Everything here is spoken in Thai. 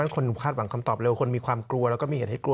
คนคาดหวังคำตอบเร็วคนมีความกลัวแล้วก็มีเหตุให้กลัว